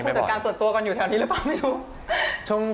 การอย่างส่วนตั๋วกันอยู่แถวนี้หรือเปล่า